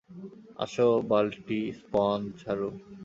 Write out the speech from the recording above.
আসো, বালতি, স্পঞ্জ, ঝাড়ু।